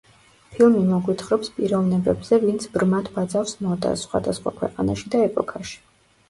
ფილმი მოგვითხრობს პიროვნებებზე, ვინც ბრმად ბაძავს მოდას, სხვადასხვა ქვეყანაში და ეპოქაში.